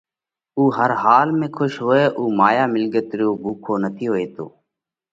اُو هر حال ۾ کُش هوئه اُو مايا مِلڳت رو ڀُوکو نٿِي هوئِيتو۔